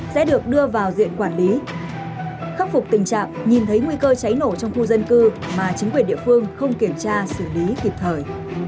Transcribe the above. sẽ được đưa vào diện quản lý khắc phục tình trạng nhìn thấy nguy cơ cháy nổ trong khu dân cư mà chính quyền địa phương không kiểm tra xử lý kịp thời